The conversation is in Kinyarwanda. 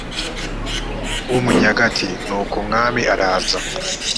w umunyagati nuko umwami araza